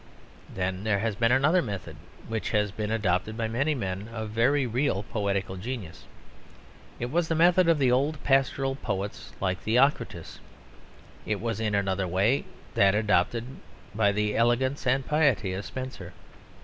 Then there has been another method which has been adopted by many men of a very real poetical genius. It was the method of the old pastoral poets like Theocritus. It was in another way that adopted by the elegance and piety of Spenser.